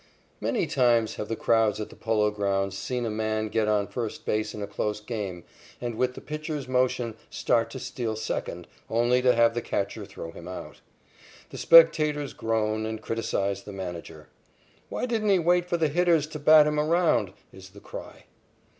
_ Many times have the crowds at the Polo Grounds seen a man get on first base in a close game, and, with the pitcher's motion, start to steal second, only to have the catcher throw him out. The spectators groan and criticise the manager. "Why didn't he wait for the hitters to bat him around?" is the cry.